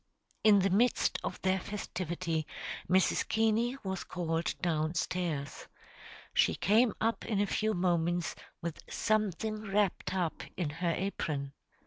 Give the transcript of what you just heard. In the midst of their festivity Mrs. Keaney was called down stairs. She came up in a few moments with something wrapped up in her apron.